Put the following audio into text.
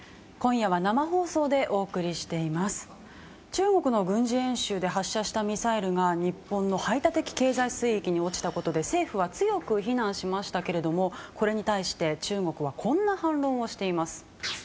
中国の軍事演習で発射したミサイルが日本の排他的経済水域に落ちたことで政府は強く非難しましたけれどもこれに対して中国はこんな反論をしています。